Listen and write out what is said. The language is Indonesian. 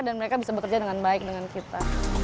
dan mereka bisa bekerja dengan baik dengan kita